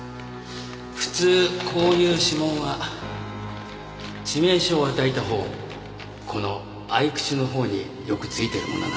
普通こういう指紋は致命傷を与えたほうこの匕首のほうによく付いているものなんです。